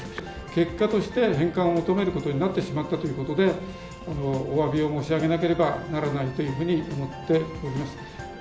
結果として、返還を求めることになってしまったということで、おわびを申し上げなければならないというふうに思っております。